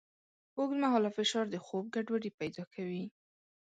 اوږدمهاله فشار د خوب ګډوډۍ پیدا کوي.